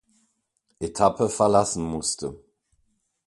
Etappe verlassen musste.